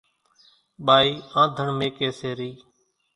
ٻائِي آنڌڻ ميڪيَ سي رئِي۔